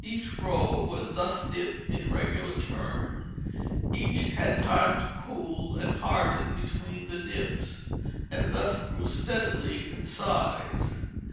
Each row was thus dipped in regular turn; each had time to cool and harden between the dips, and thus grew steadily in size.